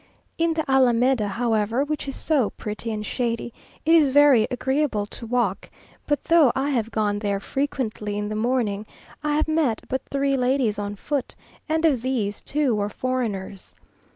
In the Alameda, however, which is so pretty and shady, it is very agreeable to walk; but though I have gone there frequently in the morning, I have met but three ladies on foot, and of these two were foreigners.